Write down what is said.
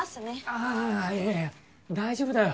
ああいやいや大丈夫だよ。